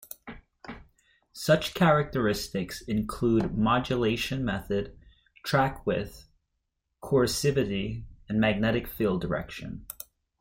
Such characteristics include modulation method, track width, coercivity, and magnetic field direction.